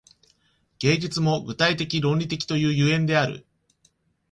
芸術も具体的論理的という所以である。